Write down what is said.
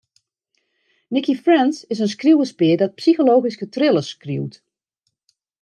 Nicci French is in skriuwerspear dat psychologyske thrillers skriuwt.